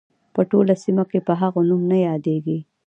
په ټوله سیمه کې په هغه نوم نه یادیږي.